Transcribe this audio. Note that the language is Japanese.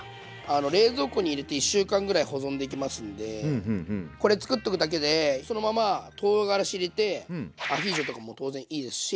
冷蔵庫に入れて１週間ぐらい保存できますんでこれ作っとくだけでそのままとうがらし入れてアヒージョとかも当然いいですし。